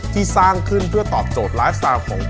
สร้างขึ้นเพื่อตอบโจทย์ไลฟ์สไตล์ของ